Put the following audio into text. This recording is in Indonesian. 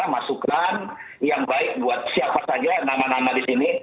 masukan yang baik buat siapa saja nama nama di sini